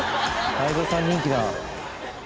泰造さん人気だ。